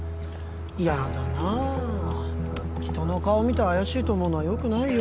やだなあ人の顔見て怪しいと思うのはよくないよ